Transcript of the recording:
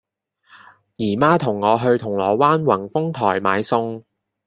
姨媽同我去銅鑼灣宏豐台買餸